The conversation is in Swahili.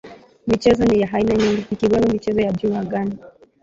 Michezo ni ya aina nyingi ikiwemo michezo ya juu angani